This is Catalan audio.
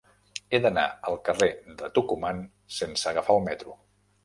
He d'anar al carrer de Tucumán sense agafar el metro.